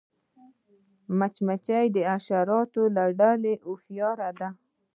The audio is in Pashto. مچمچۍ د حشراتو له ډلې هوښیاره ده